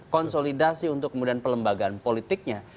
konsolidasi untuk kemudian pelembagaan politiknya